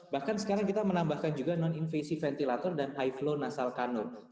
bahkan sekarang kita menambahkan juga non invasi ventilator dan high flow nasal kanun